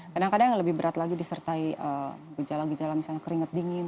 kadang kadang yang lebih berat lagi disertai gejala gejala misalnya keringat dingin